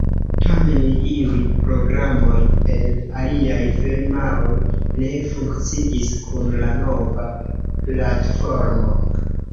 Tamen, iuj programoj el aliaj firmaoj ne funkciis kun la nova platformo.